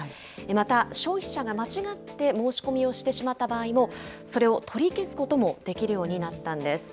また、消費者が間違って申し込みをしてしまった場合も、それを取り消すこともできるようになったんです。